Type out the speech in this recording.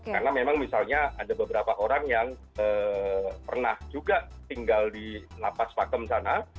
karena memang misalnya ada beberapa orang yang pernah juga tinggal di lapas pakem sana